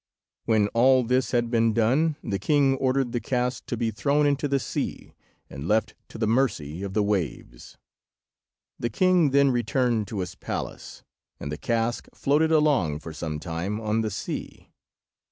When all this had been done, the king ordered the cask to be thrown into the sea, and left to the mercy of the waves. The king then returned to his palace, and the cask floated along for some time on the sea.